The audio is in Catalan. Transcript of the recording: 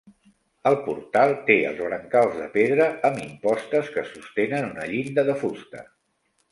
El portal té els brancals de pedra amb impostes que sostenen una llinda de fusta.